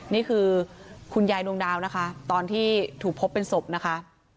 นี่คือคุณยายดวงดาวนะคะตอนที่ถูกพบเป็นศพนะคะ